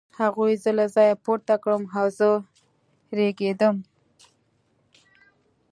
هغوی زه له ځایه پورته کړم او زه رېږېدلم